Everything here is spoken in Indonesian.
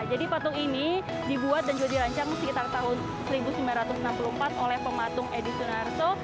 jadi patung ini dibuat dan juga dirancang sekitar tahun seribu sembilan ratus enam puluh empat oleh pematung edi sunarto